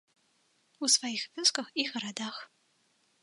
У сваіх вёсках і гарадах.